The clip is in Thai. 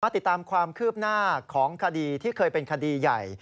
ติดตามความคืบหน้าของคดีที่เคยเป็นคดีใหญ่